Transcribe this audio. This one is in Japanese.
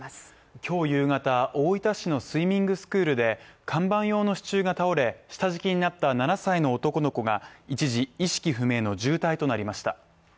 今日夕方、大分市のスイミングスクールで看板用の支柱が倒れ、下敷きになった７歳の男の子が一時、意識不明の重体となりました。